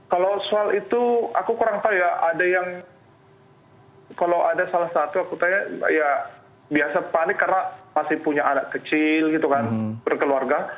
kalau soal itu aku kurang tahu ya ada yang kalau ada salah satu aku tanya ya biasa panik karena masih punya anak kecil gitu kan berkeluarga